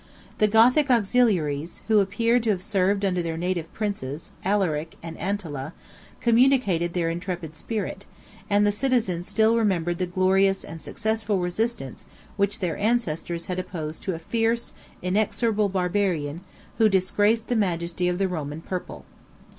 The Gothic auxiliaries, who appeared to have served under their native princes, Alaric and Antala, communicated their intrepid spirit; and the citizens still remembered the glorious and successful resistance which their ancestors had opposed to a fierce, inexorable Barbarian, who disgraced the majesty of the Roman purple.